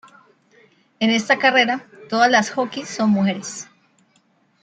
En esta carrera, todas las jockeys son mujeres.